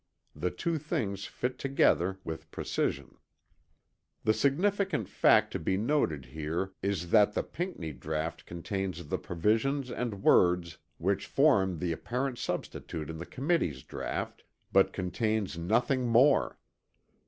The two things fit together with precision. The significant fact to be noted here is that the Pinckney draught contains the provisions and words which form the apparent substitute in the Committee's draught, but contains nothing more.